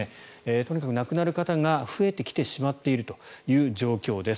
とにかく亡くなる方が増えてきてしまっている状況です。